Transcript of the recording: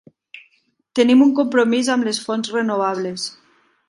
Tenim un compromís amb les fonts renovables.